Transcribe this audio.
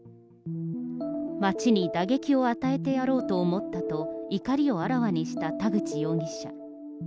町に打撃を与えてやろうと思ったと、怒りをあらわにした田口容疑者。